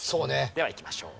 ではいきましょう。